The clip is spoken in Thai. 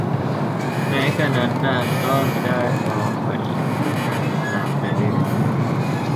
แม้กระนั้นนางก็มิได้ท้อถอยมุ่งหน้าติดตามไปเรื่อย